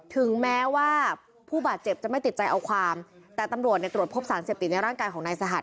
ถึงแม้ว่าผู้บาดเจ็บจะไม่ติดใจเอาความแต่ตำรวจเนี่ยตรวจพบสารเสพติดในร่างกายของนายสหัส